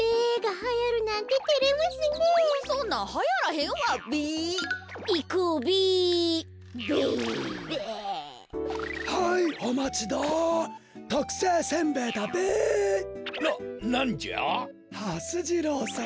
はす次郎さん